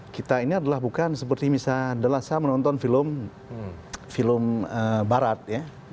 kita ini adalah bukan seperti misalnya adalah saya menonton film barat ya